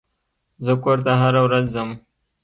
زه کور ته هره ورځ ځم.